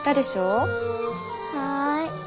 はい。